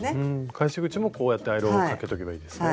返し口もこうやってアイロンをかけておけばいいんですね。